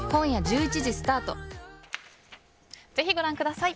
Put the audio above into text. ぜひ、ご覧ください。